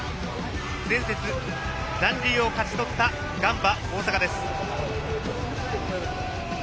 前節、残留を勝ち取ったガンバ大阪です。